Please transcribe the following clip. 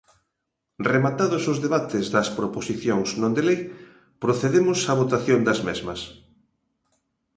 Rematados os debates das proposicións non de lei, procedemos á votación das mesmas.